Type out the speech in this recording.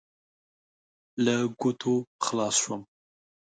له ګوتو خلاص شوم.